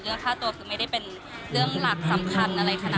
ค่าตัวคือไม่ได้เป็นเรื่องหลักสำคัญอะไรขนาดนั้น